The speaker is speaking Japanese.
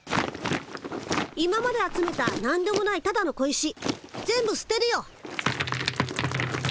今まで集めたなんでもないただの小石全部すてるよ。